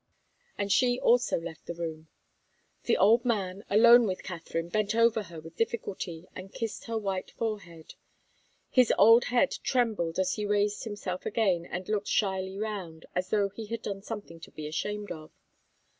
And she also left the room. The old man, alone with Katharine, bent over her with difficulty, and kissed her white forehead. His old head trembled as he raised himself again and looked shyly round, as though he had done something to be ashamed of.